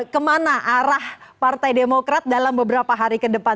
kemana arah partai demokrat dalam beberapa hari ke depan